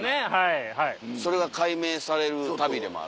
それが解明される旅でもある。